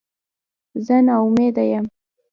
زه نا امیده یم